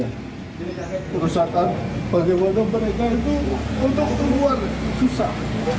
ini kerusakan bagaimana mereka itu untuk keluar susah